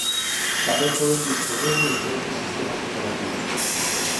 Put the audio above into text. Tamén poden dispoñer de diferentes Sistemas Operativos.